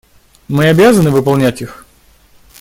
Мы обязаны выполнять их.